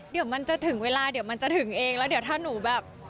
เดี๋ยวมันจะถึงเวลาเดี๋ยวมันจะถึงเองแล้วเดี๋ยวถ้าหนูแบบ